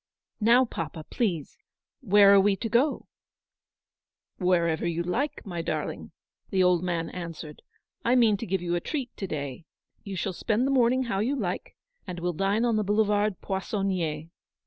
" Xow, papa, please, where are we to go ?"" Wherever you like, my darling," the old man answered ;" I mean to give you a treat to day. You shall spend the morning how you like, and we'll dine on the Boulevard Poissonnier.